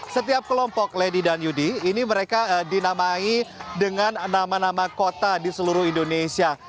setiap kelompok lady dan yudi ini mereka dinamai dengan nama nama kota di seluruh indonesia